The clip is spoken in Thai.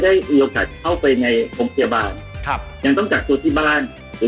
ได้มีโอกาสเข้าไปในโรงพยาบาลครับยังต้องกักตัวที่บ้านหรือ